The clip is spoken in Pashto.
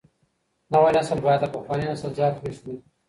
نوی نسل بايد تر پخواني نسل زيات ويښ وي.